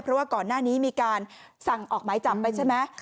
เพราะว่าก่อนหน้านี้มีการสั่งออกหมายจับไปใช่ไหม